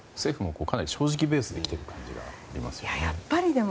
かなり正直ベースで来ている感じがありますね。